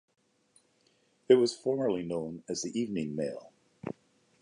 It was formerly known as the Evening Mail.